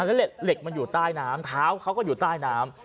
แล้วเหล็กมันอยู่ใต้น้ำเท้าเขาก็อยู่ใต้น้ำ